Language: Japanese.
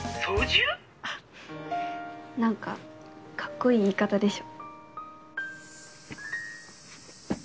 何かカッコいい言い方でしょ。